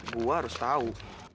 gue harus tau